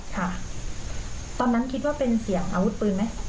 ค่ะตอนนั้นคิดว่าเป็นเสียงอาวุธปืนไหม